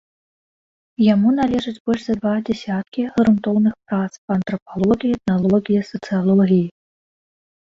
Яму належыць больш за два дзесяткі грунтоўных прац па антрапалогіі, этналогіі, сацыялогіі.